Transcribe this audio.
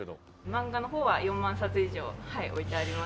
漫画の方は４万冊以上置いてあります。